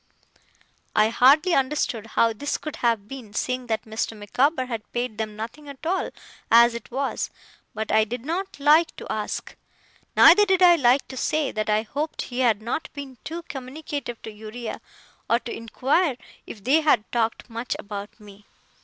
I hardly understood how this could have been, seeing that Mr. Micawber had paid them nothing at all as it was; but I did not like to ask. Neither did I like to say, that I hoped he had not been too communicative to Uriah; or to inquire if they had talked much about me.